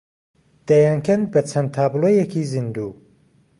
دەیانکەن بە چەند تابلۆیەکی زیندوو